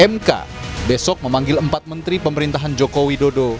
mk besok memanggil empat menteri pemerintahan joko widodo